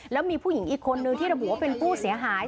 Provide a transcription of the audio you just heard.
แล้วมีผู้หญิงอีกคนนึงที่ได้บูชิคกี้พายว่าเป็นผู้เสียหาย